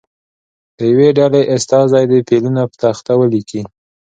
د یوې ډلې استازی دې فعلونه په تخته ولیکي.